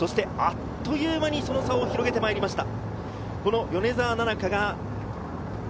あっという間にその差を広げてまいりました。